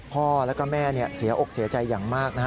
พ่อแล้วก็แม่เสียอกเสียใจอย่างมากนะฮะ